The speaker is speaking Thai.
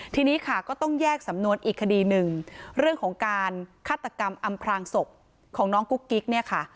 ทีนี้ค่ะก็ต้องแยกสำนวนอีกคดีหนึ่งเรื่องของการฆาตกรรมอำพลางศพของน้องกุ๊กกิ๊กเนี่ยค่ะ